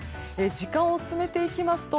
時間を進めていきますと